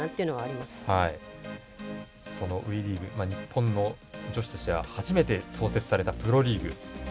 日本の女子としては初めて創設されたプロリーグ。